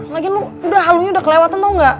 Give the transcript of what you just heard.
lagian lo udah halunya udah kelewatan tau gak